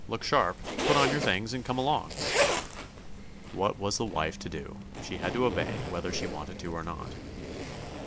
Look sharp; put on your things, and come along." What was the wife to do? She had to obey, whether she wanted to or not.